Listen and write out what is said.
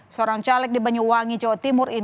seorang caleg di banyuwangi jawa timur